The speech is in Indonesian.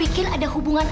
ini untuk kamu sendiri